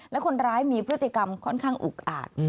และคนร้ายมีพฤติกรรมค่อนข้างอุกอาจ